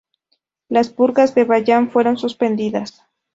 Las purgas de Bayan fueron suspendidas.